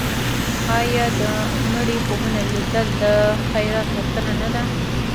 آیا د مړي خوب لیدل د خیرات غوښتنه نه ده؟